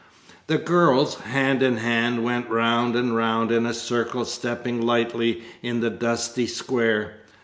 The girls, hand in hand, went round and round in a circle stepping lightly in the dusty square.